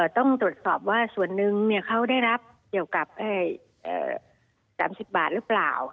ต้องตรวจสอบว่าส่วนหนึ่งเขาได้รับเกี่ยวกับ๓๐บาทหรือเปล่า